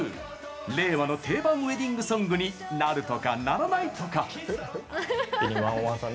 令和の定番ウエディングソングになるとかならないとか！？